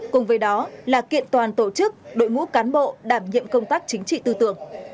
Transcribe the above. cùng với đó là kiện toàn tổ chức đội ngũ cán bộ đảm nhiệm công tác chính trị tư tưởng